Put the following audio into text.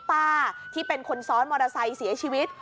ป้าที่เป็นคนซ้อนมอเตอร์ไซค์เสียชีวิต